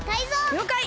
りょうかい！